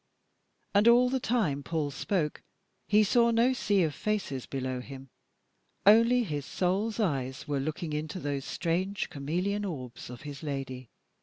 And all the time Paul spoke he saw no sea of faces below him only his soul's eyes were looking into those strange chameleon orbs of his lady.